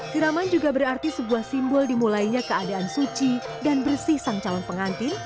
siraman juga berarti sebuah simbol dimulainya keadaan suci dan bersih sang calon pengantin